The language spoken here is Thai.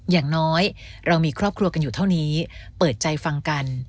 อย่างน้อยเรามีครอบครัวกันอยู่เท่านี้เปิดใจฟังกัน